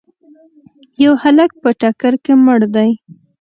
یو هلک په ټکر کي مړ دی.